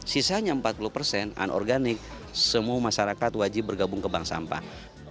sisanya empat puluh persen anorganik semua masyarakat wajib bergabung ke bank sampah